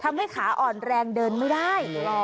ทำให้ขาอ่อนแรงเดินไม่ได้อ๋อ